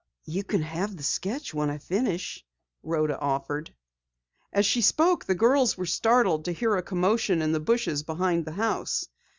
"You may have the sketch when I finish," Rhoda offered. As she spoke, the girls were startled to hear a commotion in the bushes behind the house.